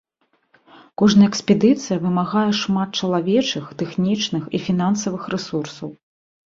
Кожная экспедыцыя вымагае шмат чалавечых, тэхнічных і фінансавых рэсурсаў.